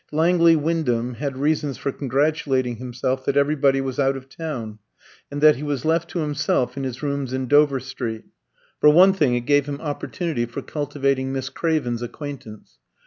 Langley Wyndham had reasons for congratulating himself that everybody was out of town, and that he was left to himself in his rooms in Dover Street. For one thing, it gave him opportunity for cultivating Miss Craven's acquaintance.